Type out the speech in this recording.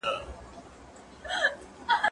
زه کولای سم نان وخورم!؟